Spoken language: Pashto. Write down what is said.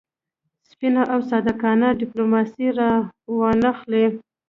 سپینه او صادقانه ډیپلوماسي را وانه خلي.